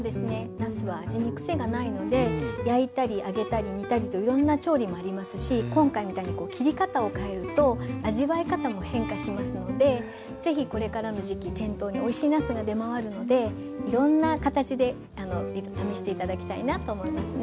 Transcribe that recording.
なすは味にクセがないので焼いたり揚げたり煮たりといろんな調理もありますし今回みたいに切り方を変えると味わい方も変化しますので是非これからの時期店頭においしいなすが出回るのでいろんな形で試して頂きたいなと思いますね。